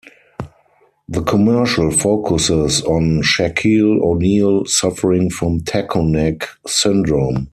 The commercial focuses on Shaquille O'Neal suffering from Taco Neck Syndrome.